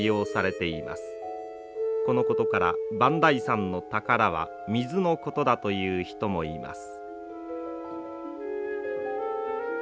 このことから磐梯山の宝は水のことだという人もいます。